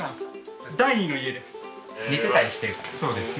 第二の家です。